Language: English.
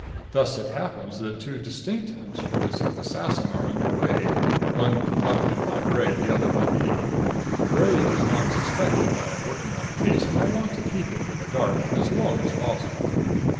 Thus it happens that two distinct hunts for his assassin are under way one conducted by Bray, the other by me. Bray does not suspect that I am working on the case and I want to keep him in the dark as long as possible.